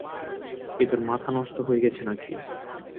এই তোর মাথা নষ্ট হয়ে গেছে নাকি?